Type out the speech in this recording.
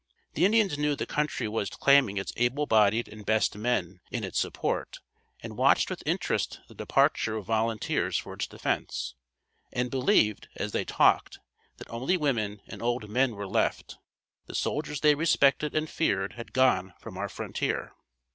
The Indians knew the country was claiming its able bodied and best men in its support, and watched with interest the departure of volunteers for its defence, and believed, as they talked, that only women and old men were left. The soldiers they respected and feared had gone from our frontier.